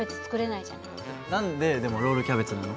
何ででもロールキャベツなの？